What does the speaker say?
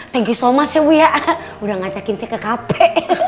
thank you so much ya bu udah ngajakin saya ke kafe